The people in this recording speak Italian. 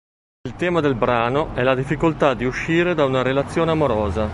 Il tema del brano è la difficoltà di uscire da una relazione amorosa.